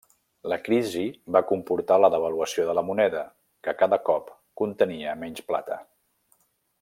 La crisi va comportar la devaluació de la moneda, que cada cop contenia menys plata.